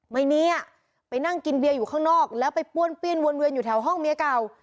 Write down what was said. ไม่มีอ่ะไปนั่งกินเบียร์อยู่ข้างนอกแล้วไปป้วนเปี้ยนวนเวียนอยู่แถวห้องเมียเก่า